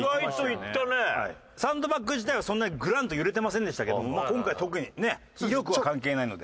サンドバッグ自体はそんなにグランと揺れてませんでしたけど今回特にね威力は関係ないので。